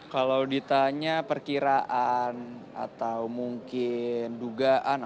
kalau ditanya perkiraan atau mungkin dugaan